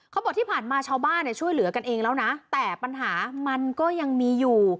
เขาบอกที่ผ่านมาชาวบ้านเนี่ยช่วยเหลือกันเองแล้วนะแต่ปัญหามันก็ยังมีอยู่